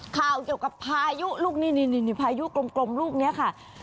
เกี่ยวกับพายุลูกนี้นี่พายุกลมลูกนี้ค่ะ